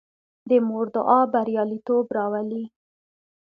د مور دعا بریالیتوب راولي.